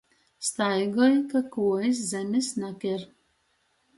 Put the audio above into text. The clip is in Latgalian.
Staigoj, ka kuojis zemis naker.